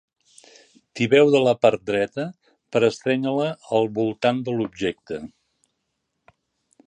Tibeu de la part dreta per estrènyer-la al voltant de l'objecte.